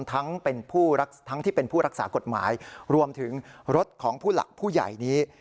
ทั้งที่เป็นผู้รักษากฎหมายรวมถึงรถของผู้หลักผู้ใหญ่นี้